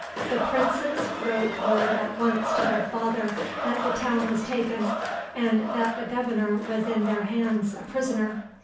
The princes wrote word at once to their father that the town was taken, and that the governor was in their hands a prisoner.